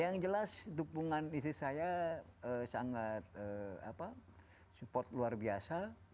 yang jelas dukungan istri saya sangat support luar biasa